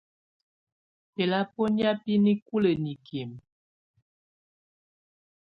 Bɛ̀labɔnɛ̀á bɛ̀ nikulǝ́ nikimǝ.